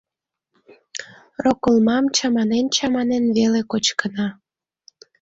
Роколмам чаманен-чаманен веле кочкына.